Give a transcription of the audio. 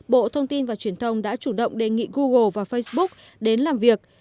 bộ thông tin và truyền thông đã chủ động đề nghị google và facebook đến làm việc